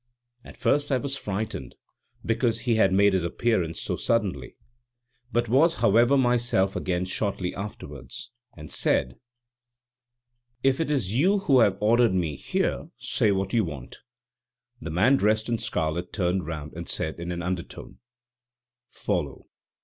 At first I was somewhat frightened, because he had made his appearance so suddenly; but was however myself again shortly afterwards, and said: "If it is you who have ordered me here, say what you want?" The man dressed in scarlet turned round and said in an undertone: "Follow!"